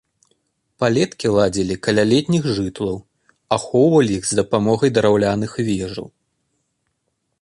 Палеткі ладзілі каля летніх жытлаў, ахоўвалі іх з дапамогай драўляных вежаў.